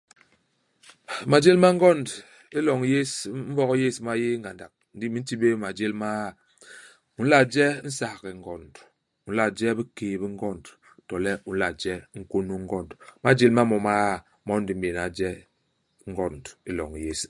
Majél ma ngond i loñ yés, i Mbog yés ma yé ngandak, ndi me nti béé majél maa. U nla je nsaghe-ngond ; u nla je bikéy-bi-ngond ; to le u nla je nkônô-ngond. Imajél ma mo maa, mon di m'béna je ngond i loñ yés.